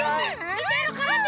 みてるからね！